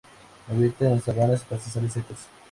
Habita en sabanas y pastizales secos.